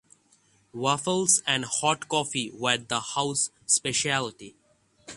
Waffles and hot coffee were the house specialty.